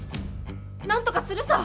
なんとかするさ！